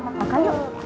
mama makan yuk